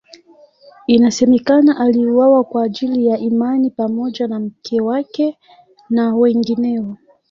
Inasemekana aliuawa kwa ajili ya imani pamoja na mke wake na wengineo.